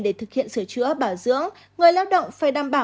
để thực hiện sửa chữa bảo dưỡng người lao động phải đảm bảo